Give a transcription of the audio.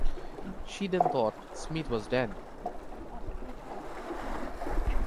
She then thought Smith was dead.